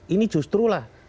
ini justru lah